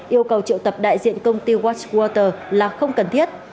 yêu cầu triệu tập đại diện công ty watchwater là không cần thiết